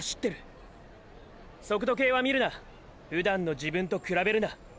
速度計は見るなふだんの自分と比べるな。